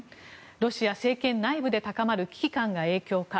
ロシア政権内部で高まる危機感が影響か。